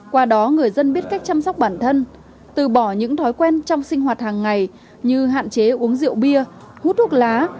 qua đó người dân biết cách chăm sóc bản thân từ bỏ những thói quen trong sinh hoạt hàng ngày như hạn chế uống rượu bia hút thuốc lá